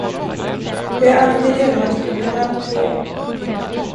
Jag är alltid hemma till klockan halv tre.